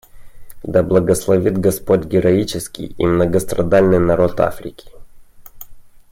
Да благословит Господь героический и многострадальный народ Африки.